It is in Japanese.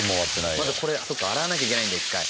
まだこれそっか洗わなきゃいけないんだ一回。